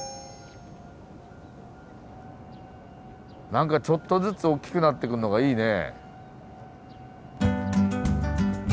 何かちょっとずつ大きくなってくるのがいいね。